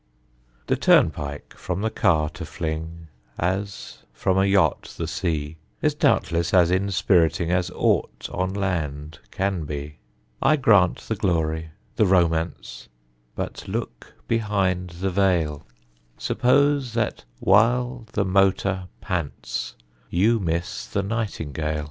The turnpike from the car to fling, As from a yacht the sea, Is doubtless as inspiriting As aught on land can be; I grant the glory, the romance, But look behind the veil Suppose that while the motor pants You miss the nightingale!